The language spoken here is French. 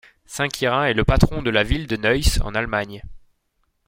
Saint Quirin est le patron de la ville de Neuss en Allemagne.